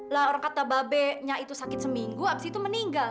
lah orang kata babenya itu sakit seminggu abis itu meninggal